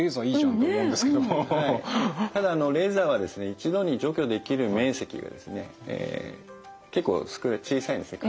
ただあのレーザーはですね一度に除去できる面積がですね結構小さいんですね。